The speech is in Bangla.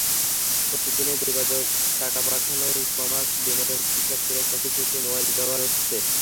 প্রতিদিনের যোগাযোগ, টাকা পাঠানো, ই-কমার্স, বিনোদন, শিক্ষা—প্রায় সবকিছুতেই মোবাইল ব্যবহার হচ্ছে।